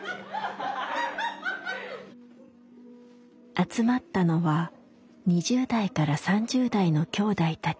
集まったのは２０代から３０代のきょうだいたち。